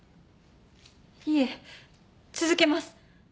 いえ続けます。